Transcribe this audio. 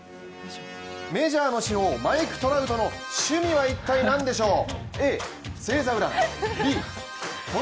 メジャーの至宝、マイク・トラウトの趣味は一体なんでしょう。